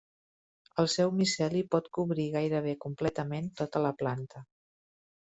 El seu miceli pot cobrir gairebé completament tota la planta.